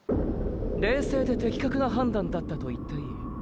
冷静で的確な判断だったと言っていい。